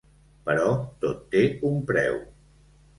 Però tot té un preu.